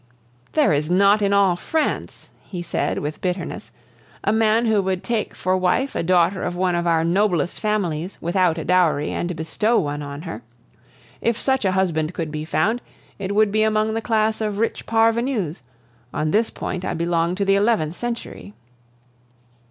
"There is not in all France," he said with bitterness, "a man who would take for wife a daughter of one of our noblest families without a dowry and bestow one on her. If such a husband could be found, it would be among the class of rich parvenus; on this point I belong to the eleventh century."